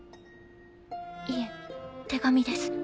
いえ手紙です。